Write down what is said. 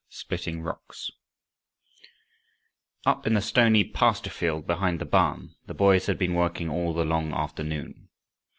SPLITTING ROCKS Up in the stony pasture field behind the barn the boys had been working all the long afternoon.